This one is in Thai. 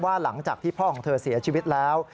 หลังจากที่พ่อของเธอเสียชีวิตแล้ว